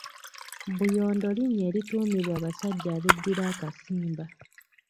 Buyondo linnya erituumibwa abasajja ab'eddira akasimba.